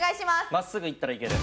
真っすぐいったらいける。